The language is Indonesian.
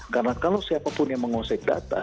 karena kalau siapapun yang menguasai data